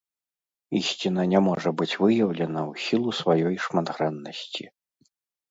Ісціна не можа быць выяўлена ў сілу сваёй шматграннасці.